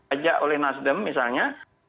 ajak oleh nasdem misalnya